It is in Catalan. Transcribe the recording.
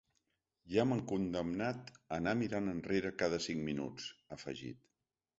“Ja m’han condemnat a anar mirant enrere cada cinc minuts”, ha afegit.